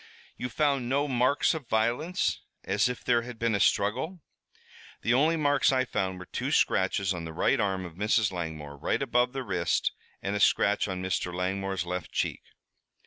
"You found no marks of violence, as if there had been a struggle?" "The only marks I found were two scratches on the right arm of Mrs. Langmore, right above the wrist, and a scratch on Mr. Langmore's left cheek."